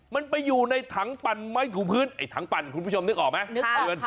มันไปอยู่ในถังปันไหม่ของพื้นไอของถังปันคุณผู้ชมนึกออกมั้ย